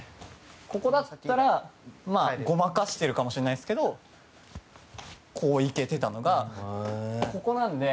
ここだったら、ごまかしてるかもしれないですけどこういけてたのが。